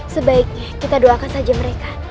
sebaiknya kita doakan saja mereka